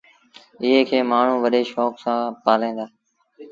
ايئي کي مآڻهوٚݩ وڏي شوڪ سآݩ پآليٚن دآ۔